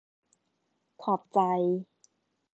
ขอบใจ